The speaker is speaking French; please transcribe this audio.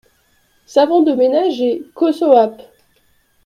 Savon de ménage et : Cossoap.